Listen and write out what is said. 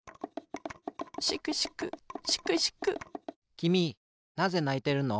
きみなぜないてるの？